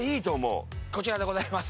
こちらでございます。